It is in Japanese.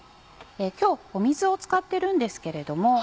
今日水を使ってるんですけれども。